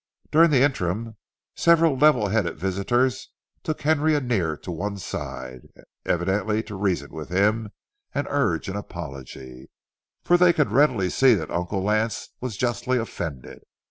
During the interim, several level headed visitors took Henry Annear to one side, evidently to reason with him and urge an apology, for they could readily see that Uncle Lance was justly offended.